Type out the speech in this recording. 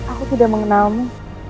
aku tidak mengenalmu